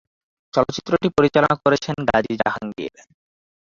চলচ্চিত্রটি পরিচালনা করেছেন গাজী জাহাঙ্গীর।